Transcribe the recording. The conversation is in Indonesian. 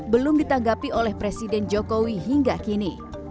belum ditanggapi oleh presiden jokowi hingga kini